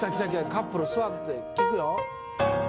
カップル座って聴くよ。